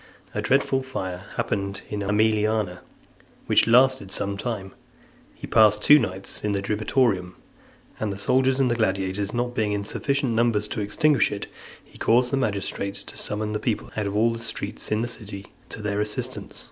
A dreadful fire happening in the Aemiliana , which lasted some time, he passed two nights in the Diribitorium , and the soldiers and gladiators not being in sufficient numbers to extinguish it, he caused the magistrates to summon the people out of all the streets in the city, to their assistance.